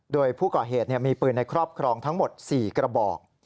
โดยผู้ก่อเหตุมีปืนในครอบครองทั้งหมด๔กระบอก